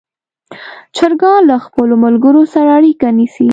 چرګان له خپلو ملګرو سره اړیکه نیسي.